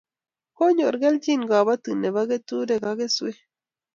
Konyor kelchin kobotik nebo keturek ak keswek